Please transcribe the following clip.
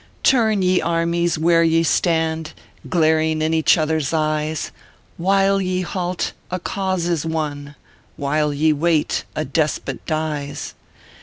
" Turn, ye armies, where ye stand, Glaring in each others eyes ; While ye halt, a cause is won ; While ye wait, a despot dies.